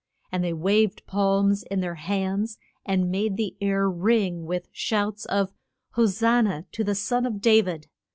And they waved palms in their hands, and made the air ring with shouts of, Ho san na to the son of Da vid!